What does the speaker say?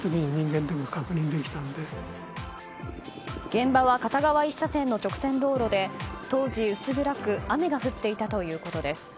現場は片側１車線の直線道路で当時、薄暗く雨が降っていたということです。